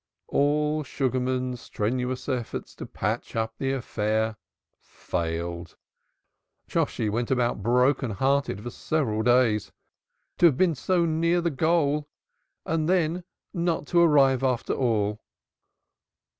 All Sugarman's strenuous efforts to patch up the affair failed. Shosshi went about broken hearted for several days. To have been so near the goal and then not to arrive after all!